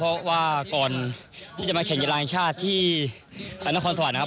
เพราะว่าก่อนที่จะมาแข่งยาลังชาติที่ฝรั่งความสว่านนะครับ